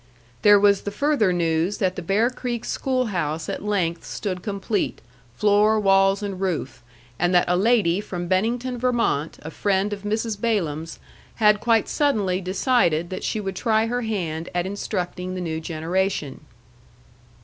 There was the further news that the Bear Creek schoolhouse at length stood complete, floor, walls, and roof; and that a lady from Bennington, Vermont, a friend of Mrs. Balaam's, had quite suddenly decided that she would try her hand at instructing the new generation.